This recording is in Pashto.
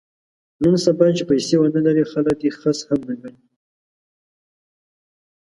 نن سبا چې پیسې ونه لرې خلک دې خس هم نه ګڼي.